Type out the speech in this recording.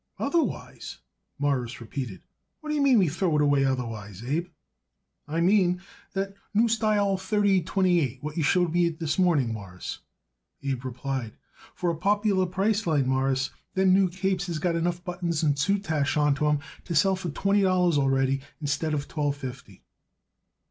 "Otherwise?" Morris repeated. "What do you mean we throw it away otherwise, Abe?" "I mean that new style thirty twenty eight what you showed it me this morning, Mawruss," Abe replied. "For a popular price line, Mawruss, them new capes has got enough buttons and soutache on to 'em to sell for twenty dollars already instead of twelve fifty."